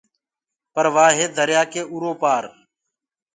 پر وآ هي دريآ ڪي اُرو پآر۔